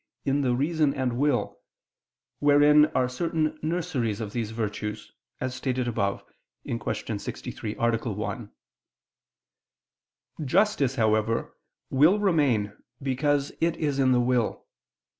in the reason and will, wherein are certain nurseries of these virtues, as stated above (Q. 63, A. 1). Justice, however, will remain because it is in the will.